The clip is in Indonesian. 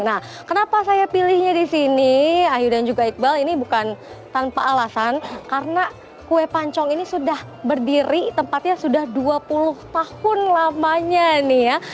nah kenapa saya pilihnya di sini ayu dan juga iqbal ini bukan tanpa alasan karena kue pancong ini sudah berdiri tempatnya sudah dua puluh tahun lamanya nih ya